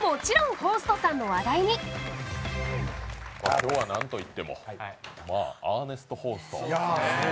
今日はなんといってもアーネスト・ホースト。